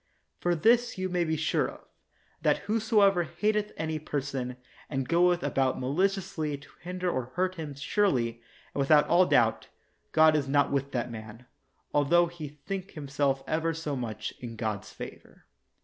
For this you may be sure of, that whosoever hateth any per son, and goeth about maliciously to hinder or hurt him, surely, and without all doubt, God is not with that man, altho he think himself ever 30 much in God's favor.